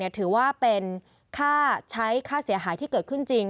ถือว่าเป็นค่าใช้ค่าเสียหายที่เกิดขึ้นจริง